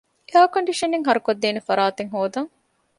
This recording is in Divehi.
އެއަރ ކޮންޑިޝަނެއް ހަރުކޮށްދޭނެ ފަރާތެއް ހޯދަން